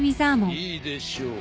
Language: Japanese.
いいでしょう。